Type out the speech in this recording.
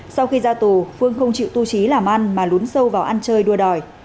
sau khi ra tù phương không chịu tu trí làm ăn mà lún sâu vào ăn chơi đua đòi